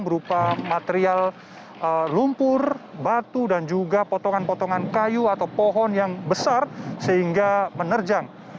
berupa material lumpur batu dan juga potongan potongan kayu atau pohon yang besar sehingga menerjang